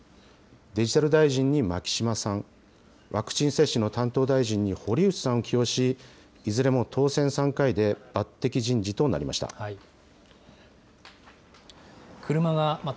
デジタル大臣に牧島さん、ワクチン接種の担当大臣に堀内さんを起用し、いずれも当選３回で、抜てき人事となりました。